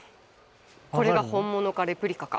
これが本物かレプリカか。